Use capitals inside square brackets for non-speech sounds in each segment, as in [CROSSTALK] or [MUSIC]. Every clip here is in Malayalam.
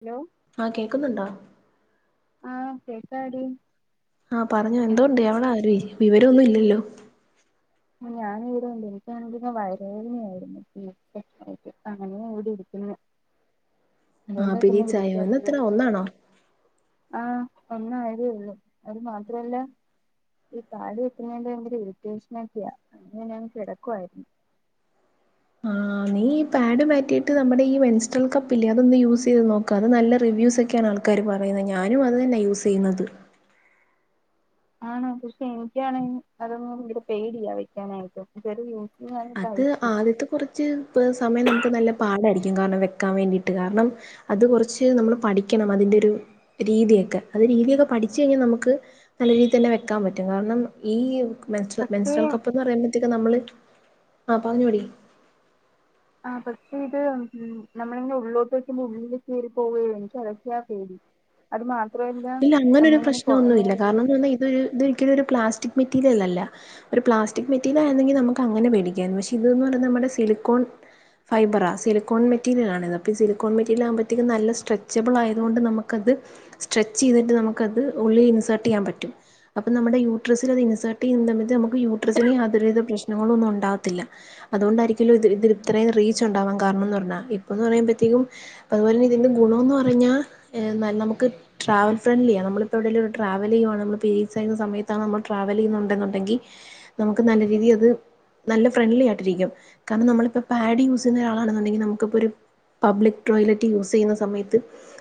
ഹലോ ആ കേക്കുന്നുണ്ടോ ആ കേക്കാടി ആ പറഞ്ഞോ എന്തോണ്ട് എവടാ രീ വിവരൊന്നുഇല്ലല്ലോ ഞാൻ ഇവിടുണ്ട് എനിക്കാണെങ്കിലോ വയറുവേദനയായിരുന്നു [UNINTELLIGIBLE] അങ്ങനെ ഇവിടെ ഇരിക്കുന്നു ആഹ അതുകൊണ്ടാ പിന്നെ പിരീഡ്സായോ ഇന്ന് വിളിക്കാത്തത് എത്ര ഒന്നാണോ ആഹ് ഒന്നായതേഒള്ളൂ അത് മാത്രല്ല ഈ പാട് വെക്കുന്നയ്ന്റെകൂടി ഇറ്ട്ടേഷനേം അങ്ങനെ ഞാൻ കെടക്കായ്രുന്നു ആ നീ ഈ പാഡ് മാറ്റിയിട്ട് നമ്മടെ ഈ മെൻസ്‌ട്രേൽ കപ്പില്ലേ അതൊന്ന് യൂസെയ്ത് നോക്ക്‌ അത് നല്ല റിവ്യൂസൊക്കേണ് ആൾക്കാര് പറയുന്നെ ഞാനും അത് തന്നെ യൂസെയ്യുന്നത് ആണോ പക്ഷെ എനിക്കാണെങ്ങെ അതൊന്ന [UNINTELLIGIBLE] പേടിയാ വെക്കാനായിട്ട് ചെറിയ അത് ആദ്യത്തെ കുറച്ച് പ് സമയം നമുക്ക് നല്ല പാഡായിരികും ങ്കാർണം വെക്കാൻ വേണ്ടിട്ട് കാരണം അത് കുറച്ച് നമ്മള് പഠിക്കണം അതിന്റെ ഒരു രീതിയൊക്കെ രീതിയൊക്കെ പഠിച്ചഴിഞ്ഞാ നമുക്ക് നല്ല രീതി തന്നെ വെക്കാൻ പറ്റും കാരണം ഈ മെൻസ്രോൽ പക്ഷേ മെൻസ്ട്രാൽ കപ്പ്ന്ന് പറയുമ്പത്തേക്കും നമ്മള് ആ പറഞ്ഞോടി ആ പക്ഷേ ഇത് നമ്മളിങ്ങനെ ഉള്ളിലോട്ട് വയ്ക്കുമ്പോ ഉള്ളില് കേറിപ്പോവെ എനിക്കതൊക്ക്യാ പേടി അത് മാ ഇല്ല അങ്ങനൊരു പ്രശ്നൊന്നുല്ല കാരണോന്ന് പറഞ്ഞാ ഇതൊരു ഇതൊരിക്കലും ഒരു പ്ലാസ് സ്റ്റിക് മെറ്റീരിയലല്ല ഒരു പ്ലാസ്റ്റിക് മെറ്റീലായിരുന്നെങ്കി ന്നമക്ക് അങ്ങനെ പേടിക്കായിരുന്നു പഷെ ഇത് ന്ന് പറയുന്നമ്മടെ സില്ക്കോൺ ഫൈബറാ സിലിക്കോൺ മെറ്റീരിലാണിത് അപ്പീസിലിക്കോൺ മെറ്റീരിയിലാകുമ്പത്തേക്കും ന്നല്ല സ്ട്രെച്ചബിൾ ആയതുകൊണ്ട് ന്നമക്കത് ത് സ്ട്രെച്ചെയ്തിട്ട് നമുക്കത് ഉള്ളിൽ ഇൻസർട്ടെയ്യാൻ പറ്റും അപ്പ നമ്മടെ യൂട്രസ്സിലത് ഇൻസർട്ടെയ്യുന്നതമയത്ത് യൂട്രെസ്സിന് യാതൊരുവിധ പ്രശ്നങ്ങളൊന്നുണ്ടാവത്തില്ല അതുകൊണ്ടായിരിക്കൊല്ലോ ഇത് ഇതിനിത്രേം റീച്ചു ണ്ടാവാൻ കാര കാരണംന്ന് പറഞ്ഞ ഇപ്പൊന്ന് പറയുമ്പത്തേക്കും അതുപോലെനെ ഇതിന്റെ ഗുണോന്ന് പറഞ്ഞാ നല്ല നമ്ക്ക്‌ ട്രാവൽ ഫ്രണ്ട്ലിയാ നമ്മളിപ്പഎവിടേലും ഒരു ഒരുട്രാവലെയ്യുവാണ് നമ്മള് പിരിഡ്‌സ് ആയിര്ന്ന സമയത്താണ് നമ്മൾട്രാവലെയ്യുന്നുണ്ടെന്നുണ്ടങ്കി ന്നമുക്ക് നല്ല രീതി അത് നല്ല ഫ്രണ്ട്ലി ആയിട്ടിരിക്കും കാരണം നമ്മളിപ്പപാഡ് യൂസെയ്യുന്ന ഒരാളാണെന്നുണ്ടെങ്കി നമുക്ക്‌പ്പൊരു പബ്ലിക് ടോയ്ലറ്റ് യൂസെയ്യുന്ന സമയത്ത്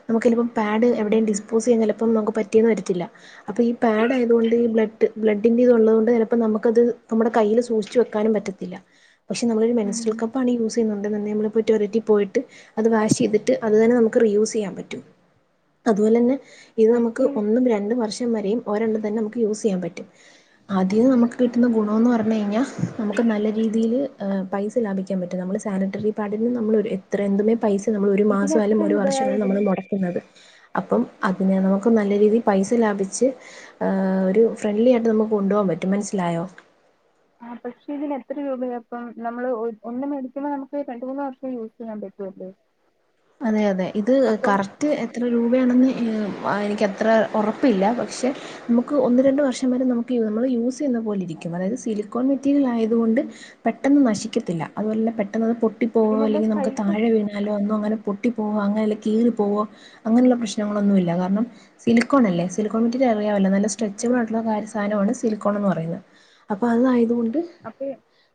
നമുക്ക്‌ ഇനിപ്പോ പാഡ് എവിടേം ഡിസ് പ്പോസ്സെയാൻചെലപ്പം നമുക്ക് പറ്റിയന്നുവരത്തില്ല അപ്പൊ ഈ പാഡ് ആയതോണ്ട് ബ്ലഡ്‌ ബ്ലഡിന്റെ ഇതുള്ളതോണ്ട് ചെലപ്പം ന നമ്ക്കത് നമ്മുടെ കയ്യില് സൂക്ഷിച്ച് വെക്കാനും പറ്റത്തില്ല പക്ഷെ നമ്മളൊരു ഉം മെൻസ്ട്രൽ കപ്പാണ് യൂസ് ന്നുണ്ടന്നുണ്ടെങ്ങിനമ്മള് ടോയ്‌ലറ്റി പോയ്ട്ട് അത് വാഷെയ്തിട്ട് അത് തന്നെ നമക്ക്റിയൂസെയ്യാൻ പറ്റും അതുപോലെ തന്നെ ഇത് നമുക്ക് പക്ഷെ ഒന്നും രണ്ടും വർഷം പ വരെയും ഒരെ രണ്ട തന്നെ നമുക്ക് യൂസ് ചെയ്യാൻ പറ്റും ആദ്യം നമുക്ക് കിട്ടുന്ന ഗുണമന്ന് പറഞ്ഞു കഴിഞ്ഞാൽ നമുക്ക് നല്ല രീതിയിൽ പൈസ ലാഭിക്കാൻ പറ്റും നമു സാനിറ്ററി പാഡിന് നമ്മൾ എത്രയ എന്തുന്മേ പൈസ നമ്മൾ ഒരു മാസ ഇതിന് എത്ര ആയാലും ഒരു വർഷ രൂപയായി ആ നമ്മൾ ഇതിന് മുടക്കുന്നത് അപ്പം അതിനെ നമുക്ക് നല്ല രീതിയിൽ പൈസ ലാഭിച്ച്ഹ് ഒരു ഫ്രണ്ട്ലി ആയിട്ട് നമുക്ക് കൊണ്ടുപോകാൻ പറ്റും മനസ്സിലായി ണ്ടായോ ആ പക്ഷേ ഇതിന് എത്ര രൂപയാണ് അപ്പം നമ്മൾ ഒന്നും മേടിക്കുമ്പോ നമുക്ക് രണ്ട മൂന്ന് വർഷം യൂസ് ചെയ്യാൻ പറ്റും ആ ഉ അതെ അതെ ഇത് കറക്റ്റ് എത്ര രൂപയാണെന്ന് എനക്ക്ത്ര ഉറപ്പില്ല പക്ഷെ നമുക്ക് ഒന്ന് രണ്ട് വർഷം വരെ നമുക്ക് നമ്മൾ യൂസ് ചെയ്യ രിക്ക അതായത് സിലിക്കോൺ മെറ്റീരിയൽ ആയതുകൊണ്ട് പെട്ടെന്ന് നശിക്കത്തില്ല അതുപോലെ പെ പെട്ട അ പൊട്ടിപ്പോവോ ഇതിനെന്താ അല്ലെങ്കി നമുക്ക് സൈസ് താഴെവീണാലോ ന്നും അങ്ങനെ പോ അങ്ങനല്ല കീറിപോവോ അങ്ങനുള്ള പ്രശ്നങ്ങളൊന്നുംമല്ല കാരണം സിലിക്കോൺ അല്ലേ സിലോൺറ്റ അ നല്ല സ്ട്രെച്ചബിൾ ആയിട്ടുള്ള കാര്യ സാധമാണ് സിലിക്കോൺ എന്ന് പറയുന്നത് അപ്പൊ അതായതുകൊണ്ട് അപ്പൊ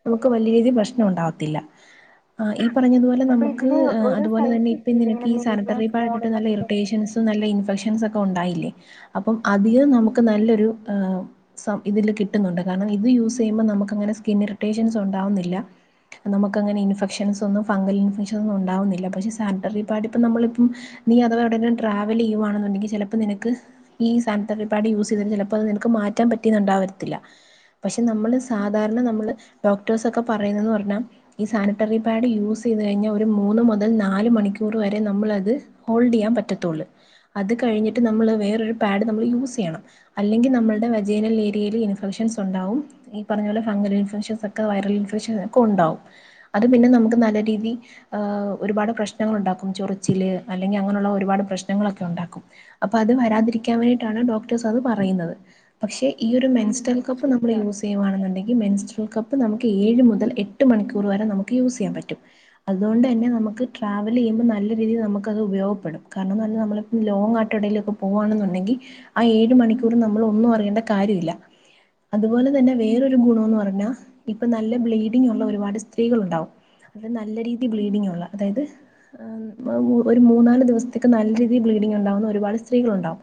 നമുക്ക് വല രീതിൽ പ്രശ്നം ഉണ്ടാവത്തില്ല ആ ഈ പറഞ്ഞതുപോലെ അപ്പൊ നമുക്ക് ഇതിന് ഒരു സൈസ് അതുപോൽതന്നെ ഇപ്പൊ ഒക്കെയില്ലേ ഇങ്ങനെ നിനക്കി മീഡിയം സാനിട്ടറി പാട് സ്മോൾ ഇട്ടിട്ട് നല്ല എന്നൊക്കെ പറ ഇറിട്ടഷൻസ് നല്ല ഇഫെക്ഷൻസ് ഒക്കെ ഉണ്ടായില്ലേ അപ്പം അധികം നമുക്ക് നല്ലൊരു ഇതില് കിട്ടുന്നുണ്ട് കാരണം ഇത് യൂസ് ചെയ്യുമ്പോ നമുക്ക്ങ്ങനെ സ്കിൻ ഇറിട്ടേഷൻസ് ഉണ്ടാവുന്നില്ല നമുക്ക് അങ്ങനെ ഇൻഫെക്ഷൻസ് ഒന്നും ഫംഗൽ ഇൻഫെക്ഷൻ ഒന്നും ഉണ്ടാവുന്നില്ല പക്ഷെ സാനിട്ടറി പാടി ഇപ്പം നമ്മളിപ്പം നീ അഥവാ എവിടെയെ ങ്കിലും ട്രാവൽ ചെയ്യുകവാണെന്നുണ്ടെങ്കിൽ ചെ ലപ്പോൾ നിനക്ക് ഈ ഈ സാനിറ്ററി പാഡ് യൂസ് ചെയ്തഴ് ഞ്ഞ ചെലപ്പൊ അത് നിനക്ക് മാറ്റാൻ പറ്റിണ്ടാവരത്തില്ല പക്ഷെ നമ്മള് സാധാരണ നമ്മള് ഡോക്ടേഴ്സ് ഒക്കെ പറയുന്നെന്ന് പറഞ്ഞാൽ ഈ സാനിറ്ററി പാഡ് യൂസ് ചെയ്ത് കഴിഞ്ഞാൽ ഒരു മൂന്ന് മുതൽ നാല് മണിക്കൂർ വരെ നമ്മളത് ഹോൾഡ് ചെയ്യാൻ പറ്റത്തുള്ളൂ അത് കഴിഞ്ഞിട്ട് നമ്മള് വേറൊരു അത്കഴിഞ്ഞിട്ട് വെറൊര് പാഡ് നമ്മൾ യൂസ് ചെയ്യണം അല്ലെങ്കിൽ നമ്മളുടെ വജെയ്നൽ ഏരിയയിൽ ഇൻഫെക്ഷൻ ഇന്ഫെക്ഷൻസ് ഒണ്ടാവും ഈ പറഞ്ഞ പോലെ ഫങ്കൽ ഇൻഫക്ഷൻ ഒക്കെ വൈറൽ ഇൻഫെക്ഷൻ ഒക്കഉണ്ടാവും അത് പിന്നെ നമുക്ക് നല്ല രീതി ആഹ് ഒരുപാട് പ്രശ്നങ്ങൾ ഒണ്ടാക്കും ചൊറിച്ചില് അല്ലെങ്കിൽ അങ്ങനൊ ള്ള ഒരുപാട് പ്രശ്നങ്ങളൊക്കെ ഒണ്ടാക്കും അപ്പൊ അത് വരാതിരിക്കാ വെക്കാൻ വേണ്ടിട്ടാണ് ഡോക്ടേസ് അത് പറയുന്നത് പക്ഷെ ഈ ഒരു ഉം മെൻട്രൽ അത് കപ്പ് നമ്മൾ ശരിയാ യൂസ് ചെയ്യുകവാണെന്നുണ്ടെങ്കി മെസ്ട്രൽ കപ്പ് നമുക്ക് ഏഴ് മുതൽ എട്ട് മണിക്കൂർ വരെ നമുക്ക് യൂസ് ചെയ്യാൻ പറ്റും അതുകൊണ്ട് തന്നെ നമുക്ക് ന ട്രാവല് ചെയ്യ്മ്പൊ നല്ല രീതിൽ നമുക്കത് ഉപയോഗപ്പെടും കാരണന്ന് പറഞ്ഞ നമ്മളിപ്പൊ ലോങ് ആയിട്ടെടേയിലൊക്ക പോവായാണുണ്ടെങ്കിൽ ങ്കി ആ ഏഴ് മണിക്കൂർ നമ്മൾ ഒന്നും അറിയേണ്ട കാര്യമില്ല അതുപോലെ തന്നെ വേറൊരു ഗുണംന്ന് പറഞ്ഞാൽ ഇപ്പൊ നല്ല ബ്ലീഡിങ് ഉള്ള ഒരുപാട് സ്ത്രീകൾ ഉണ്ടാവും അത് നല്ല രീതി ബ്ലീഡിങ് ഒള്ള അതായത് ഒരു മൂന്നാല് ദിവസത്തേക്ക് നല്ല രീതിയിൽ ബ്ലീഡിങ് ഉണ്ടാകുന്ന ഒരുപാട് സ്ത്രീകളുണ്ടാവും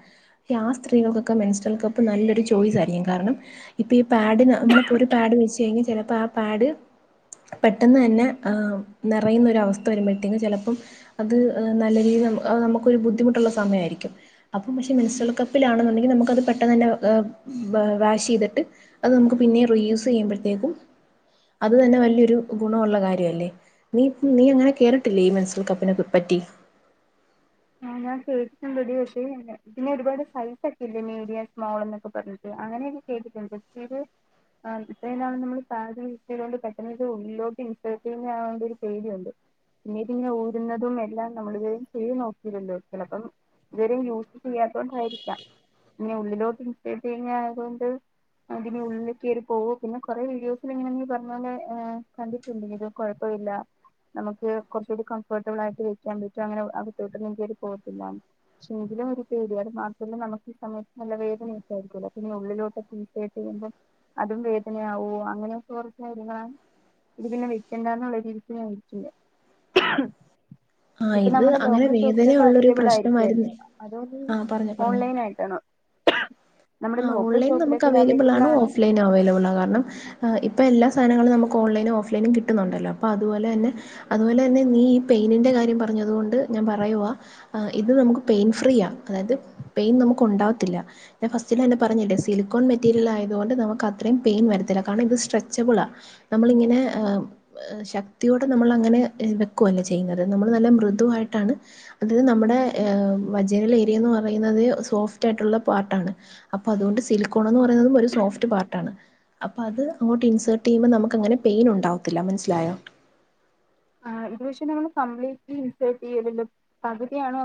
ആ സ്ത്രീകൾക്കൊക്കെ മെൻട്രൽ കപ്പ് നല്ലൊരു ചോയ്സ് ആയിരിക്കും കാരണം ഇപ്പൊ ഈ പാഡിന് നമ്മളിപ്പൊ ഒരു പാഡ് വെച്ച് കഴിഞ്ഞ് ചെലപ്പൊ ആ പാഡ് പെട്ടെന്ന് തന്നെ നെ റയുന്നൊര അവസ്ഥ വരുമ്പോഴതേക്ക് ചെലപ്പം അത് നല്ല രീതി നമുക്ക് ഒരു ബുദ്ധിമുട്ടുള്ള സമയമായിരിക്കും അപ്പ മെൻസ്ട്രൽ കാപ്പിലാണെന്നുണ്ടെങ്കി നമുക്കത് പെട്ടെന്ന് ത്തന്നെ വാഷ് ചെയ്തിട്ട് അത് നമുക്ക് പിന്നേം റീ യൂസ് ചെയ്യുമ്പോഴത്തേക്കും അത് തന്നെ വലിയൊരു ഗുണമുള്ള കാര്യല്ലേ നീ നീ അങ്ങനെ കേട്ടിട്ടില്ലേ ഈ മെൻട്രൽ കപ്പിനെ പ്പറ്റി ആ ഞാൻ കേൾക്കട്ടടി പക്ഷെ പിന്നെ ഒരുപാട് സൈസ് ഒക്കെ ഇല്ലേ മീഡിയം സ്മോൾ എന്നൊക്കെ പറഞ്ഞിട്ട് അങ്ങനെ ഞാൻ കേട്ടിട്ടുണ്ട് ഇത് ആ ഇത്രേ നാൾ നമ്മൾ സാനിറ്ററി യൂസ് ചെയ്തോണ്ട് പെട്ടെന്ന്ത് ഉള്ളിലോട്ട് ഇൻസെർട്ട് ചെയ്യുന്നോണ്ട് ഒരു പേടിണ്ട് പിന്നീതിങ്ങനെ ഊരുന്നതും എല്ലാം നമ്മൾ വയും ചെയ്തു നോക്ക യൂസ് ചെയ്യാം ചെലപ്പം ഇതുവരെയും യൂസ് ചെയ്യാത്ത കൊണ്ടായിരിക്കാം ഇന്നി ഉള്ളിലോട്ട് ഇന്സർട്ട് ചെയ്യുന്നായത് കൊണ്ട് അതിന് ഉള്ളിക്ക് കയറി പോവും പിന്നെ കൊറേ വീഡിയോസിൽ ഇങ്ങനെയെങ്കിൽ പറഞ്ഞാലെ കണ്ടിട്ടുണ്ട് ഇത് കൊഴപ്പൊ നച്ചൂ നമുക്ക് കുറച്ചൂടി കഫോർട്ടബിൾ ആയിട്ട് വെക്കാൻ പറ്റും അങ്ങനെ അത് ട്ടും എനക്ക് പോകത്തില്ലാന്ന് പക്ഷെ എങ്കിലും ഒരു പേടി മാത്രമല്ലേ നമുക്ക് ഈ സമയത്ത് നല്ല വേദനീട്ടായിരിക്കും ഉള്ളിലോട്ടൊക്കെ ഇൻസർട്ട് ചെയ്യുമ്പം അതും വേദനയാവോ അങ്ങനെയൊക്കെ കൊറച്ച് കാര്യങ്ങളാണ് ഇത് പിന്നെ വെക്കണ്ടാന്നുള്ള രീതിക്ക് ഞാൻവെക്കില്ല ആഹ് ഇത് അങ്ങനെ വേദന ഉള്ളൊരു ആയിരിക്കുവല്ലേ പ്രശ്നമായിരുന്നേ അതോ നീ ആഹ പറഞ്ഞോ പറഞ്ഞോ ഓൺലൈൻ ആയിട്ടാണോ നമ്മുടെ ആ ലോക്കൽ ഓൺലൈൻ നമുക്ക് ഷോപ്പിലൊക്കെ ഇത് അവൈലബിൾ ആണ് ആണോ ഓഫ് ലൈൻ അവൈലബിൾ ആണ് കാരണം ഇപ്പൊ എല്ലാ സാധങ്ങൾ നമക്ക് ഓൺലൈനും ഓഫ് ലൈ നും കിട്ടുന്നുണ്ടല്ലോഅപ്പൊ അതുപോലെ തന്നെ അത് പോലെ തന്നെ നീ ഈ പെയിനിന്റെ കാര്യം പ പറഞ്ഞതുകൊണ്ട് ഞാൻ പറയുക ഇത് നമുക്ക് പെയിൻ ഫ്രീ ആ അതായത് പെയിൻ നമുക്ക് ഒ ണ്ടാവത്തില്ല ഞാ ഫസ്റ്റിൽ എന്നെ പറഞ്ഞില്ലേ സിലിക്കോൺ മെറ്റീരിയൽ ആയതുകൊണ്ട് നമുക്ക് അത്രയും പെയിൻ വരത്തില്ലാകാരണം ഇത് സ്ട്രെച്ചബിൾ ആ നമ്മള് ഇങ്ങനെ ശക്തിയോടെ നമ്മൾ അങ്ങനെ വെക്കുവല്ല ചെയ്യുന്നത് നമ്മൾ നല്ല മൃദുആയിട്ടാണ് അത് നമ്മുടെ വജൈനൽ ഏരിയേന്ന് പറയുന്നതെ സോഫ്റ്റ് ആയിട്ടുള്ള അതാണ് അപ്പൊ അതോണ്ട് സിലിക്കോൺന്ന് പറയുന്നതും ഒര് സോഫ്റ്റ് പാർട്ടാണ് അപ്പൊ അത് അങ്ങോട്ട് ഇൻസർട്ട് ചെയ്യുമ്പൊ നമുക്ക് അങ്ങനെ പെയിൻ ഉണ്ടാവത്തില്ല മനസ്സിലായൊ അഹ് യൂഷുലി കംപ്ലീറ്റ്ലി ഇൻസട്ട് ചെയ്യല ല്ലോ പകുതിയാണോ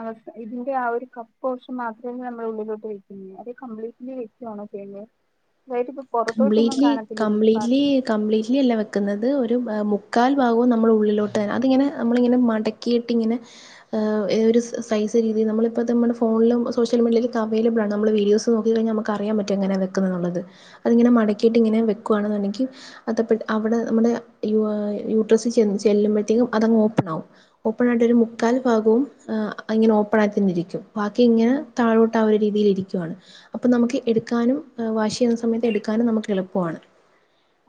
അത് ഇതിന്റെ ആ ഒരു ക പോർഷൻ മാത്രമേ നമ്മള ഉള്ളിലോട്ട് വെക്കുഅത് കംപ്ലീറ്റ്ലി വെക്കുകയാണോ ചെയ്യുന്നെ കംപ്ലീറ്റിലി പാർട്ട് കംപ്ലീറ്റിലി കംപ്ലീറ്റിലിയല്ല വെക്കുന്നത് മുക്കാൽഭാഗവും നമ്മൾ ഉള്ളിലോട്ട് തന്ന അത് ഇങ്ങനെ നമ്മളിങ്ങനെ മടക്കീട്ടിങ്ങനെ ഒരു സൈസ് രീതി നമ്മളിപ്പോ തന്നെ നമ്മുടെ ഫോണിലും സോഷ്യൽ മീഡിയലൊക്കെ അവയ്ലബളാണ് നമ്മള് വീഡിയോസ് നോക്കിഴിഞ്ഞാൽ നമുക്കറിയൻ പറ്റും എങ്ങനെയെ വെക്കന്നന്നുള്ളത് അതിങ്ങനെ മടക്കിയിട്ട് ഇങ്ങനെ വെക്കുആണെന്നുണ്ടെങ്കിൽ അതപോ അവടെ അവടെ യുവ യൂഡ്രസ് ചെന്ന് ചെല്ലുമ്പോഴത്തേക്കും അത്ങ്ങ് ഓപ്പൺ ആകും ഓപ്പണായിട്ട് ഒരു മുക്കാൽ ഭാഗവും അഇങ്ങനെ ഓപ്പണായി തന്നെ ഇരിക്കും ബാക്കി ഇങ്ങനെ താഴോട്ട് ആ ഒരു രീതിൽ ഇരിക്കുവാണ് അപ്പൊ നമുക്ക് എടുക്കാനും വാശി സമയത്ത് എടുക്കാനും നമുക്ക് എളുപ്പമാണ്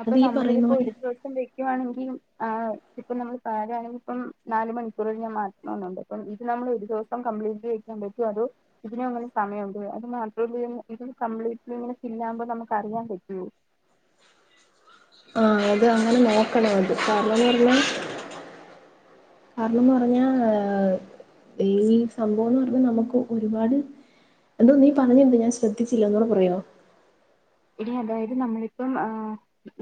അപ്പൊ അത് ഈ പറയുന്ന നമ്മളിതിപ്പോ പോലെ ഒരു ദിവസം വെക്കുവാണെങ്കിൽ ആ ഇപ്പം നമ്മൾ പേടാണെങ്കിപ്പം നാല് മണിക്കൂർ കഴിഞ്ഞാൽ മാറ്റണൊന്നുണ്ട് അപ്പം ഇത് നമ്മള് ഒരു ദിവസം കംപ്ലീറ്റ്ലി ക്കോ അതോ ഇതിനും അങ്ങനെ സമയമുണ്ട് ലെ അത് മാത്രോല്ല ഇത് കമ്പ്ലീറ്റ്ലി ഇങ്ങനെ ഫില്ല് ആവുമ്പോ നമുക്ക് അറി ല്ല കറ്റോ [UNINTELLIGIBLE] ആ അത് അങ്ങനെ നോക്കണം അത് കാരണംന്ന് പറഞ്ഞാ കാരണംന്ന് പറഞ്ഞാ ഈ സംഭവംന്ന് പറഞാനമുക്ക് ഒരുപാട് എടോ നീ പറഞ്ഞെന്ത് ഞാൻ ശ്രദ്ധിച്ചില്ല ഒന്നുടെ പറയോ എടി അതായത് നമ്മളിപ്പം ആ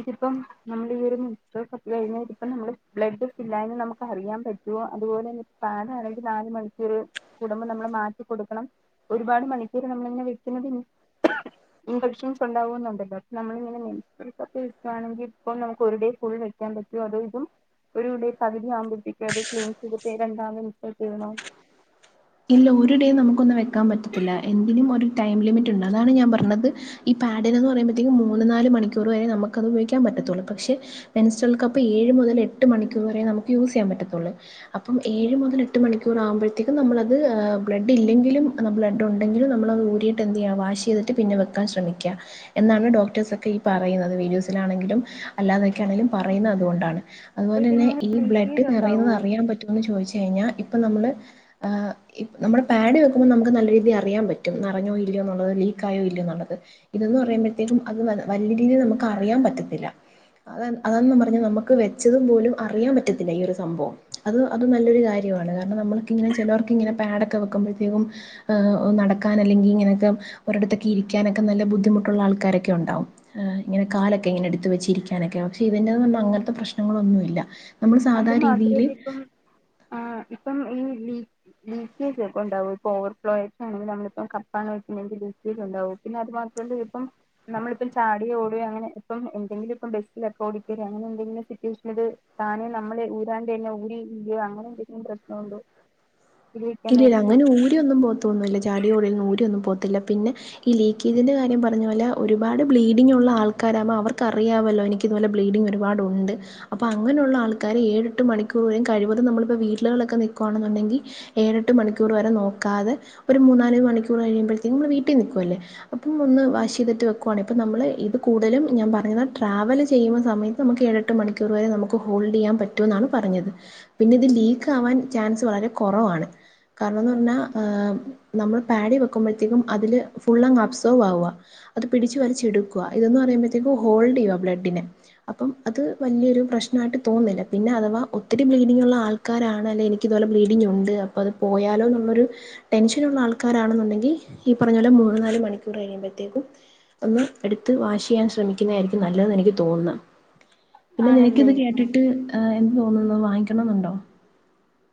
ഇതിപ്പം നമ്മൾ ഈ ഒരു മെൻസ്ട്രൽ കപ്പ് കഴിഞാതിപ്പം ബ്ലഡ് ഫില്ലായത് നമുക്ക് അറിയാൻ പറ്റോ അതുപോലെ പേട് അതായത് നാലു മണിക്കൂർ കൂടുമ്പോ നമ്മള് മാറ്റി കൊടുക്കണം ഒരുപാട് മണിക്കൂർ നമ്മലിങ്ങനെ വെക്കുന്നത് ഇൻഫെക്ഷൻസ് ഉണ്ടാവുന്നുണ്ടല്ലോ അ നമ്മളിങ്ങനെ മെൻസ്ട്രൽ കപ്പ് വെക്കുവാണെങ്കി ഇപ്പോ നമുക്ക് ഒരുടേ ഫുൾ വെക്കാൻ പറ്റോ അതോ ഇതും ഒരു ഡേ പകുതിയാകുമ്പത്തേക്കത് ക്ലീൻ ചെയ്തിട്ട് രണ്ടാമത് സ്റ്റാർട്ട് ചെയ്യണോ ഇല്ല ഒരു ഡേ നമുക്ക് ഒന്ന് വെക്കാൻ പറ്റത്തില്ല എന്തിനും ഒരു ടൈം ലിമിറ്റുണ്ട് അതാണ് ഞാൻ പറഞ്ഞത്ഈ പാഡിന് ന്ന് പറയുമ്പത്തേക്കും മൂന്ന് നാല് മണിക്കൂർ വരെ നമുക്കത് ഉപയോഗിക്കാൻ പറ്റത്തി പറ്റത്തുള്ളൂ പക്ഷെ മെൻസ്ട്രൽ കപ്പ് ഏഴ് മുതൽ എട്ട് മണിക്കൂർ വരെ നമുക്ക് യൂസെയ്യാൻ പറ്റത്തൊള്ളൂ അപ്പം ഏഴ് മുതൽ എ് മണിക്കൂർ ആവു മ്പയെത്തെക്കും നമ്മളത് അത് ബ്ലഡ്ല്ലെങ്കിലും ബ്ലഡ് ഉണ്ടെങ്കിലും നമ്മളത് ഊരിയിട്ട് എന്തെയ്യാ വാഷെയ്തിട്ട് പിന്നെ വെക്കാൻ ശ്രമിക്ക എന്നാണ് ഡോക്ടേഴ്സൊക്കെ ഈ പറയുന്നത് വീഡിയോസിലാണെങ്കിലും അല്ലാന്നൊക്കേണെങ്കിലും പറയുന്ന അതുകൊണ്ടാണ് അപ്പൊ അതുപോലെന്നെ ഇതിനിങ്ങനെ ഈ ബ്ലഡ് ലീക്കേജ് ഉണ്ടാവോ നിറയുന്നത് അറിയാൻ പറ്റോന്ന് ചോയിച്ചഴിഞ്ഞാൽ ഇപ്പൊ നമ്മള് ആ ഇപ് നമ്മുടെ പാഡ് വെക്കുമ്പോ നമുക്ക് നല്ല രീതിയിൽ അറിയാൻ പറ്റും നറഞ്ഞോ ഇല്ലയോ എന്നുള്ളത് ലീക്ക് ആയോ ഇല്ലയോന്നുള്ളത് ഇത് ന്ന് പറയുമ്പോഴത്തേക്കും അത് വ വലിയ രീതിയിൽ നമുക്ക് അറിയാൻ പറ്റത്തില്ല അത അതാണ് നാം പറഞ്ഞെ നമ്മക്ക് വെച്ചതും പോലും അറിയാൻ പറ്റത്തില്ല ഒരു സംഭവം അത് അത് നല്ലൊരു കാര്യ കാരണം നമ്മൾക്കിങ്ങനെ ചേലോർക്കിങ്ങനെ പേടൊക്കെ വെക്കുമ്പഴത്തേക്കും നടക്കാൻ അല്ലെങ്കി ഇങ്ങനൊക്കെ ഒരിടത്തൊക്കെ ഇരിക്കാനൊക്കെ നല്ല ബുദ്ധിമുട്ട് ട്ടുള്ള ആൾക്കാരൊക്കെണ്ടാവും ഇങ്ങനെ കാലൊക്കെങ്ങനെ എടുത്തു വെച്ചിരിക്കാനൊക്കെ പക്ഷേ ഇതിന്റാവുമ്പോ അങ്ങനത്തെ പ്രശ്നങ്ങളൊ ഒന്നുല്ല അത് മാത്രല്ലിപ്പം ആ ഇപ്പം ഈ ലീഗ് ലീക്ക് ചേയ്ക്കോള ഇണ്ടാവൊര്... ഉണ്ടാവോ ഇപ്പ ഓവർഫ്ലോയൊക്കാണെങ്കി നമ്മളിപ്പോ കപ്പാണ് വെക്ക്ണെങ്കി ലീക്കേജ് ഉണ്ടാവോ പിന്നെ അത് മാത് നമ്മളിപ്പം ചാടേ ഓടേ അങ്ങനെ ഇപ്പം എന്തെങ്കിലും ഇപ്പം ബെസ്റ്റിലൊ എക്കൗ [UNINTELLIGIBLE] അങ്ങനെ ന്തെങ്കിലു [UNINTELLIGIBLE] ഇത് താനേ നമ്മെളെ ഊരാണ്ട്യന്ന് ഊരി ഊരി അങ്ങനെന്തെങ്കിലും പ്രശ്ന ണ്ടോ ഇല്ലല്ല അങ്ങനെ ഊരിയൊന്നും പോക് തോന്നുല്ല തല്ല ചാടിയോടിയ ഊരിയൊന്നും പോകത്തൊന്നുല്ല പിന്നെ ഈ ലീക്കേജിന്റെ കാര്യം പറഞ്ഞ പോലെ ഒരുപാട് ബ്ലീഡിങ് ഉള്ള ആൾക്കാറാവുമ്പോ അവർക്കറിയാമല്ലോ എനിക്ക് ഇതുപോലെ ബ്ലീഡിങ് ഒരുപാടുണ്ട് അപ്പൊ അങ്ങനെ ഉള്ള ആൾക്കാര് ഏഴെട്ട് മണിക്കൂറും കഴിവതും നമ്മളപ്പൊ വീ ള് ള്. ക്ക നിവീട്കള്ലൊത് നിക്കുവാ ണെന്നുണ്ടെങ്കി ഏഴെട്ട് മണിക്കൂർ വരെ നോക്കാതെ ഒരു മൂന്നാല് മണിക്കൂർ കഴിയുമ്പഴ്ത്തിൻ നമ്മള് വീട്ടി നിക്ക്വല്ലെ അപ്പം ഇത് വാഷയ്തിട്ട് വെക്ക്വാണെങ്ക് നമ്മള് ഇത് കൂടലും ഞാൻ പറയുന്നത് ട്രാവല് ചെയ്യ [UNINTELLIGIBLE] സമയത്ത് നമക്ക് ഏഴെട്ട് മണി ക്കെറ് വെരെ നമുക്ക് ഹോൾഡെ യ്യാൻ പറ്റൊ എന്നാണ് പറഞ്ഞത് പിന്നെ ഇത് ലീക്കാവാൻ ചാൻസ് വളരെ കൊറവാണ് കാര്ണംന്ന് പറഞ്ഞാ നമ്മൾ പേട് എയ്ത് വെക്കുമ്പെഴ്ത്തിനും അതില് ഫുള്ളങ്ങ് അബ്സെർവ് ആവ അത് പിടിച്ചു വലിച്ച് ഇടുക്ക്വ ഇതെന്ന് പറയുമ്പെത്തേക്കു ഹോൾഡ് ചെയ്യ്വ ബ്ലെഡിനെ അപ്പം അത് വല്യ ഒരു പ്രശ്‌നായിട്ട് തോന്നില്ല പിന്നെ അഥവാ ഒത്തിരി ബ്ലീഡിങ്ങ് ഉള്ള ആൾക്കാരാണ് അല്ലേ എനിക്ക് ഇതോലെ ബ്ലീഡിംഗ് ഉണ്ട് അപ്പ അത് പോയാലോന്നുള്ളൊരു ടെൻഷനുള്ള ആൾക്കാരാണെന്നു ണ്ടെങ്കി ഈ പറഞ്ഞോലെ മൂന്ന് നാല് മണിക്കൂർ കഴിയുമ്പെത്ത ത്തേക്കും ഒന്ന് എടുത്ത് വാഷെയ്യാൻ ശ്രമിക്കുന്നആയിരിക്കും നല്ലെത് എനിക്ക് തോന്ന പിന്നെ ആണല്ലേ നിനക്കിത് ആ കേട്ടിട്ട് എന്ത് തോന്നുന്നു വാങ്ങിക്കണെന്ന്ണ്ടോ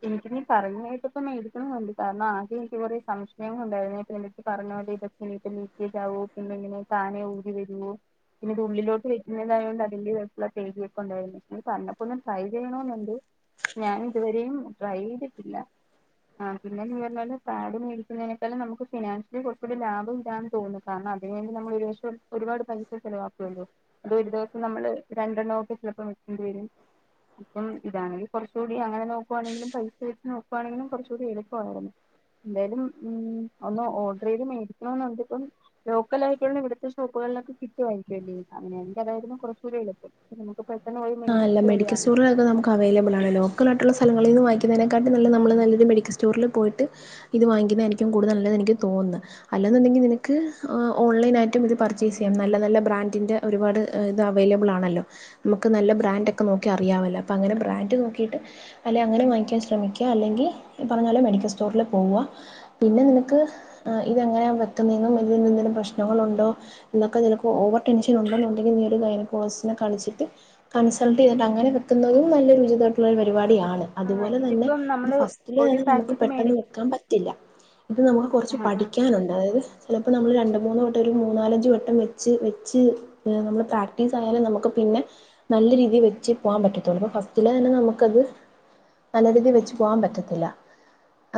എനിക്ക്നീ പറഞേട്ടപ്പം മേടിക്കണോന്ന്ണ്ട്. കാര്ണം ആകെ എനിക്ക് കൊറേ സംശയങ്ങൾ ഇണ്ടായിരുന്നു നീ ഇപ്പോ നിന്റട്ത്ത് പറഞ്ഞ ആദ്യം ഇതൊക്കെ നീപ്പം ലീക്കേജാവോ പിന്നങ്ങനെ താനെ ഊരിവെരോ പിന്നെ ഇത് ഉള്ളിലോട്ട് വയ്ക്കുന്നതായോണ്ട് അതിന്റേതായിട്ട്ള്ള പേടിയൊക്കെ ണ്ടായിരുന്നു. പിന്നെ പറ്ഞ്ഞപ്പൊന്ന് ട്രൈ ചെയ്യണോന്ന്ണ്ട് ഞാൻ ഇത് വെരെയും ട്രൈ ചെയ്തിട്ടില്ല. ആ പിന്നെ നീ പർണ പോലെ പാഡ് മേടിക്കുന്നെയിനെക്കാളും നമുക്ക് ഫിനാൻഷ്യലി കൊർച്ചുടെ ലാഭം ഇതാന്ന് തോന്നുന്നു കാരണം അതിനുവേണ്ടി ഞമ്മെൾ ഒരു വർഷം ഒരുപാട് പൈസ ചെലവാക്കുവല്ലോ അത് ഒരു ദിവസം നമ്മെൾ രണ്ടെണ്ണവൊക്കെ ചിലപ്പം [UNINTELLIGIBLE] വെരും അപ്പം ഇതാണെങ്കി കൊർച്ചൂടി അങ്ങനെ നോക്ക് ക്കുവാണെങ്കിലും പൈസ വെരുന്നെത് നോക്കുവാണെങ്കിലും കൊർച്ചൂടി എളുപ്പവായെനെ എന്തായാലും ഉം ഒന്ന് ഓർഡർ ചെയ്ത് മേടിക്കെണംന്നുണ്ട് ഇപ്പം ലോക്കൽ ആയിട്ടുള്ള ഇവ്ട്ത്തെ ഷോപ്പുക കൾലൊക്കെ കിട്ടുവായിരിക്കും അല്ലെ ഇത് അങ്ങെനെയാണെങ്കി അതായിരുന്നു കൊർച്ച് കൂടെ എളുപ്പം നമ്മുക്ക് പറ്റ് ആ അല്ല മെഡിക്കെൽ സ്റ്റോറിലൊക്കെ നമുക്ക് അവൈലബിൾ ആണ്. ലോക്കെൽ ആയിട്ടുള്ള സ്ഥലങ്ങളീന്ന് വാങ്ങി ക്കിന്നെയ്നെക്കാട്ടീം നല്ലെയ് നമ്മെൾ നല്ലൊരു മെഡിക്കെൽ സ്റ്റോറ്ൽ പോയിട്ട് ഇത് വാങ്ങിക്കിന്നെയായിരിക്കും കൂട്തെൽ നല്ലെത് എനിക്ക് തോന്ന്ന്ന് അൽ അല്ലാന്നുണ്ടെങ്കിൽ നിനെക്ക് ഏഹ് ഓൺലൈനായിട്ടും ഇത് പർച്ചേസ് ചെയ്യാം നല്ല നല്ല ബ്രാൻഡിൻ്റെ ഒരുപാട് ഇത് അവൈലബ് ബ്ൾ ആണല്ലോ നമു ക്ക് നല്ല ബ്രാന്റൊക്കെ നോക്കി അറിയാവല്ലൊ അപ്പ അങ്ങെനെ ബ്രാന്റ് നോക്കിയിട്ട് അല്ലെ അങ്ങനെ വാങ്ങിക്കാൻ ശ്രമിക്കാം അല്ലെങ്കി ഈ പറഞ്ഞ പോലെ മെഡിക്കെൽ സ്റ്റോർൽ പോവാ പിന്നെ നിനെക്ക് ഇത് എങ്ങെനെ വെക്കുന്നേന്നും ഇതിൽ നിന്ന് എന്തെങ്കിലും പ്രശ്നങ്ങെൾ ഉണ്ടോ ഇതൊക്കെ നിനെക്ക് ഓവെർ ടെൻഷെൻ ഒണ്ടെന്ന് ഉണ്ടെങ്കിൽ നീയൊരു ഗൈനക്കോളജിസ്റ്റിനെ കാണിച്ചിട്ട് കൺസെൾട്ട് ചെയ്തിട്ട് അങ്ങനെ വെക്കുന്നതും നല്ല ഉചിതായിട്ടുള്ള ഒരു പരിപാടിയാ ണ് ആ അതുപോലെ തെന്നെ ഇതിപ്പം ഇത് നമ്മള് ഫസ്റ്റില് ഒരു തന്നെ നമുക്ക് പാക്കറ്റ് പെട്ടെന്ന് മേടി വെക്കാൻ പറ്റില്ല. ഇത് നമുക്ക് കൊർച്ച് ആ ആ പഠിക്കാനുണ്ട് അതായെത് ചെല പ്പം നമ്മെൾ രണ്ട് മൂന്ന് വട്ടം ഒര് മൂന്നാൽ അഞ്ച് വട്ടം വെച്ച് വെച്ച് നമ്മെള് പ്രാക്ടീസ് ആയാലെ നമുക്ക് പിന്നെ നല്ല രീതിയിൽ വെച്ച് പോവാൻ പറ്റത്തൊള്ളു അപ്പ ഫസ്റ്റിലെയെന്നെ നമുക്ക് അത് നല്ല രീതിയിൽ വെച്ച് പോവാൻ പറ്റത്തില്ല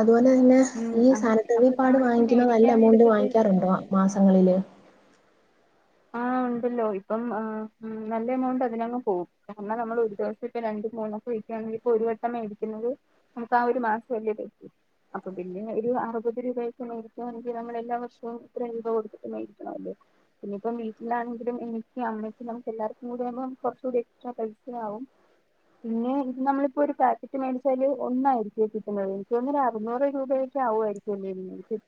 അതുപോലെ തന്നെ ഉം ഈ അങ്ങനെ സാനിറ്റെറി അപ്പൊ പാഡ് നമ്മളിപ്പോ വാങ്ങിക്കുന്നെത് നല്ല മേടിക്കാൻ എമൗണ്ട് നേരത്ത് ഇത് വാങ്ങിക്കാറുണ്ടോ മാസങ്ങളിൽ ആഹ് ഇണ്ടല്ലോ ഇപ്പം ഏഹ് നല്ല എമൗണ്ട് അതിനങ്ങ് പോവും കാരണം നമ്മെൾ ഒര് ദിവ്സം ഇപ്പ രണ്ട് മൂന്ന് ഉപയോഗിക്കാണെങ്കി ഇപ്പ ഒര് വെട്ടം മേടിക്കുന്നെത് നമുക്ക് ആ ഒര് മാസം അല്ലെ പറ്റു അപ്പ പിന്നെ ഒരു അറുപത് രൂപയൊക്കെ മേടിക്കുയാണെങ്കി നമ്മൾ എല്ലാ വർഷവും ഇത്രയും രൂപാ കൊട്ത്തിട്ട് മേടിക്കണവല്ലൊ പിന്നെ ഇപ്പം വീട്ടിലാണെങ്കിലും എനിക്കും അമ്മയ്ക്കും നമുക്ക് എല്ലാവർക്കും കൂടെ ആകുമ്പം കൊർച്ച് കൂടി എക്സ്ട്രാ പൈസയാവും. പിന്നെ ഇത് നമ്മളിപ്പോ ഒരു പാക്കറ്റ് മേടിച്ചാല് ഒന്നായിരിക്കേ കിട്ടുന്നത്. ഇൻക്ക് തോന്നുന്നു ഒര് അറുന്നൂറ് രൂപ ക്കെ ആയിരിക്കുവല്ലേ